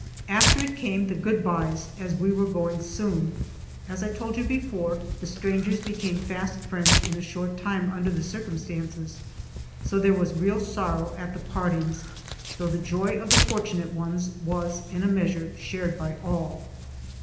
After it came the good byes, as we were going soon. As I told you before, the strangers became fast friends in a short time under the circumstances, so there was real sorrow at the partings, though the joy of the fortunate ones was, in a measure, shared by all.